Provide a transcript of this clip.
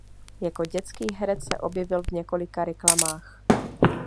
Jako dětský herec se objevil v několika reklamách.